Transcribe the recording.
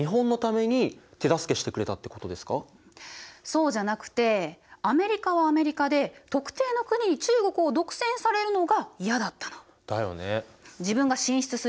そうじゃなくてアメリカはアメリカで特定の国に中国を独占されるのが嫌だったの。だよね。